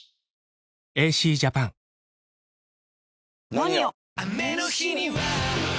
「ＮＯＮＩＯ」！